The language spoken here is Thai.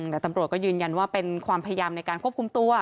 แต่ตำรวจก็ยืนยันว่าเป็นความพยายามในการควบคุมตัว